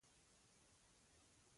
لکه زموږ پښتانه چې وایي.